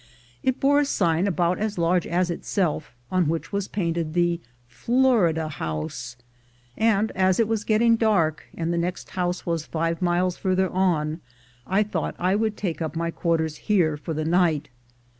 It bore a sign about as large as itself, on which was painted the "Florida House"; and as it was getting dark, and the next house was five miles farther on, I thought I would take up my quarters here for the night.